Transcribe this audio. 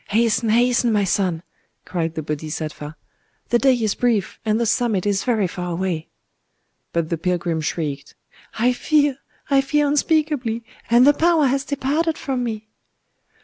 "Hasten, hasten, my son!" cried the Bodhisattva: "the day is brief, and the summit is very far away." But the pilgrim shrieked,—"I fear! I fear unspeakably!—and the power has departed from me!"